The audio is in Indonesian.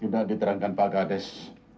tidak diterangkan pak kades